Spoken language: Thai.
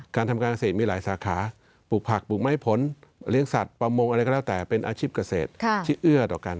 การทำการเกษตรมีหลายสาขาปลูกผักปลูกไม้ผลเลี้ยงสัตว์ประมงอะไรก็แล้วแต่เป็นอาชีพเกษตรที่เอื้อต่อกัน